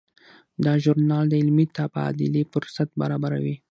دا ژورنال د علمي تبادلې فرصت برابروي.